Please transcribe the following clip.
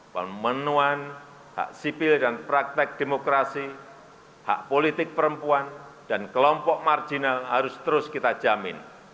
pemenuhan hak sipil dan praktek demokrasi hak politik perempuan dan kelompok marginal harus terus kita jamin